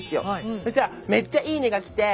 そしたらめっちゃ「いいね！」が来て。